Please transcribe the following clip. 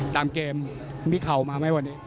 ตามเกมมีเข่ามาไหมวันนี้